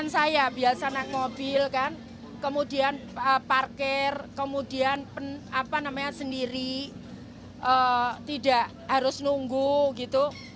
saya nunggu gitu